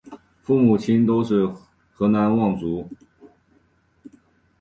父母亲都是河南望族。